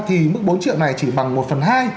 thì mức bốn triệu này chỉ bằng một phần hai